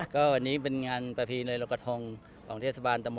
ก็ดังนี้เป็นนำงานประเพณีราคาทองของเทสบันตมตรศัพท์